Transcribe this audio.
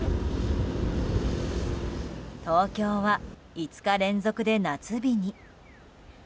東京は、５日連続で夏日に。